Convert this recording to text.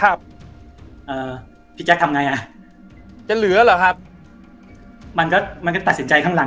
เอ่อพี่แจ๊คทำไงอ่ะจะเหลือเหรอครับมันก็มันก็ตัดสินใจข้างหลัง